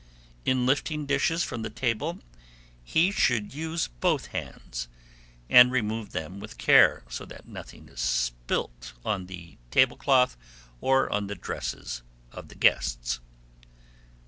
In lifting dishes from the table, he should use both hands, and remove them with care, so that nothing is spilt on the table cloth or on the dresses of the guests.